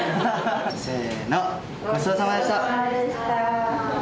せーの、ごちそうさまでした。